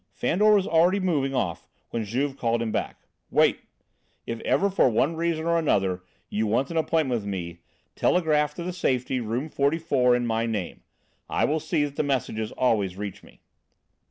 Fandor was already moving off when Juve called him back. "Wait! If ever for one reason or another you want an appointment with me, telegraph to the Safety, room 44, in my name. I will see that the messages always reach me."